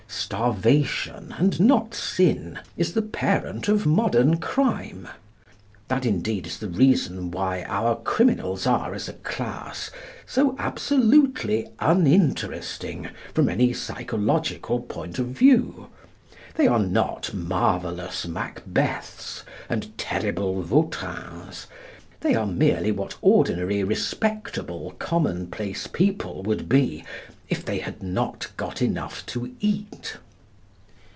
Starvation, and not sin, is the parent of modern crime. That indeed is the reason why our criminals are, as a class, so absolutely uninteresting from any psychological point of view. They are not marvellous Macbeths and terrible Vautrins. They are merely what ordinary, respectable, commonplace people would be if they had not got enough to eat.